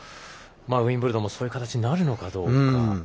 ウィンブルドンもそういう形になるのかどうか。